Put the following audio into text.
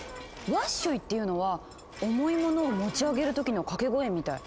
「ワッショイ」っていうのは重いものを持ち上げる時の掛け声みたい。